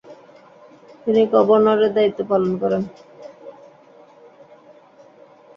তিনি গভর্নরের দায়িত্ব পালন করেন।